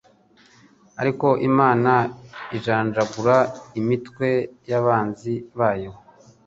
Ariko Imana ijanjagura imitwe y’abanzi bayo